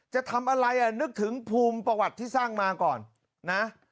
จะทำอะไรนึกถึงภูมิประวัติที่สร้างมาก่อนนะ